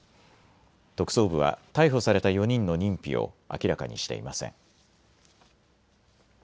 特捜部は逮捕された４人の認否を明らかにしていません。